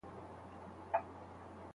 سوداګرو له روسیې سره اړیکې پرې کړې.